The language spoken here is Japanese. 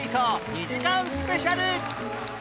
２時間スペシャル